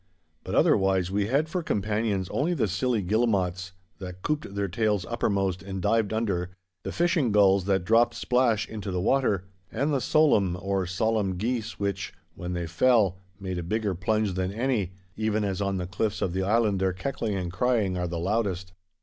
But otherwise we had for companions only the silly guillemots that couped their tails uppermost and dived under, the fishing gulls that dropped splash into the water, and the solan or solemne geese which, when they fell, made a bigger plunge than any, even as on the cliffs of the island their keckling and crying are the loudest.